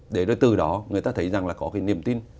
để rồi từ đó người ta thấy rằng là có cái niềm tin